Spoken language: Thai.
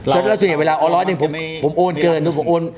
เช่นเหลือเวลาอ๋อ๑๐๐เดียวผมโอนเกิน